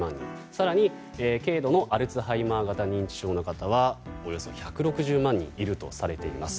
更に、軽度のアルツハイマー型認知症の方はおよそ１６０万人いるとされています。